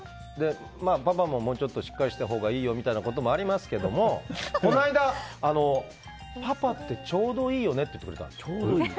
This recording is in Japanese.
パパももうちょっとしっかりしたほうがいいよみたいなこともありますけどもこの間、パパってちょうどいいよねって言ってくれた。